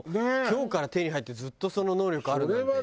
今日から手に入ってずっとその能力あるなんて。